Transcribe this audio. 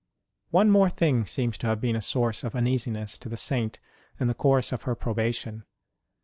One more thing seems to have been a source of uneasiness to the Saint in the course of her probation.